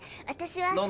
私は。